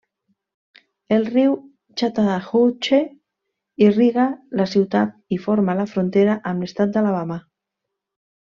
El riu Chattahoochee irriga la ciutat i forma la frontera amb l'estat d'Alabama.